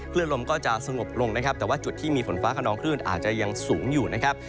ลมก็จะสงบลงนะครับแต่ว่าจุดที่มีฝนฟ้าขนองคลื่นอาจจะยังสูงอยู่นะครับ